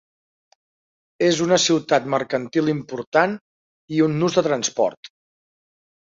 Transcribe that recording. És una ciutat mercantil important i un nus de transport.